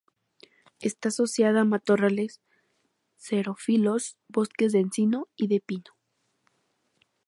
Está asociada a matorrales xerófilos, bosques de encino y de pino.